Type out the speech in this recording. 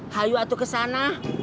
hayup atuh ke sana